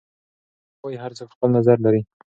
ثانیه وايي، هر څوک خپل نظر لري.